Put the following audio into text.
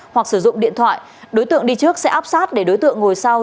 hoặc sử dụng điện thoại đối tượng đi trước sẽ áp sát để đối tượng ngồi sau